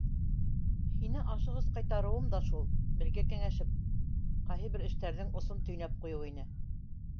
Һине ашығыс ҡайтарыуым да шул, бергә кәңәшеп, ҡайһы бер эштәрҙең осон төйнәп ҡуйыу ине.